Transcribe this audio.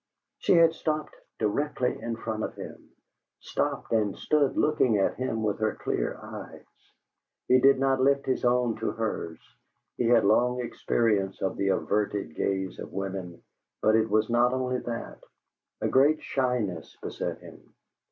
She had stopped directly in front of him; stopped and stood looking at him with her clear eyes. He did not lift his own to hers; he had long experience of the averted gaze of women; but it was not only that; a great shyness beset him.